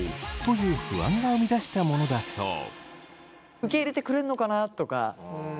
受け入れてくれるのかなとか。